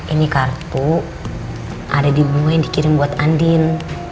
ini kartu ada di bunga yang dikirim buat andin